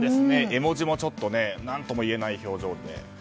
絵文字もちょっと何とも言えない表情で。